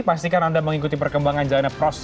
pastikan anda mengikuti perkembangan jalannya proses